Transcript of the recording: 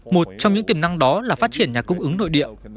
một trong những tiềm năng đó là phát triển nhà cung ứng nội địa